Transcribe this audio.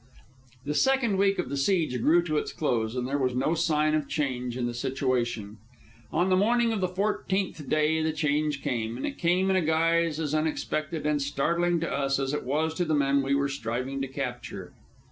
The second week of the siege drew to its close, and there was no sign of change in the situation. On the morning of the fourteenth day the change came, and it came in a guise as unexpected and startling to us as it was to the men we were striving to capture.